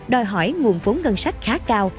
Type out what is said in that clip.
đòi hỏi nguồn vốn ngân sách khá cao